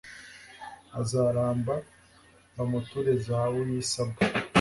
azaramba bamuture zahabu y'i saba